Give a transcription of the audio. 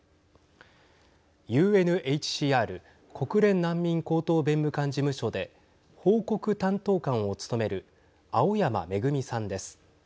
ＵＮＨＣＲ＝国連難民高等弁務官事務所で報告担当官を務める青山愛さんです。